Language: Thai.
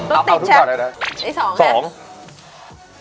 รับเอาทุกข่าวด้วยนะ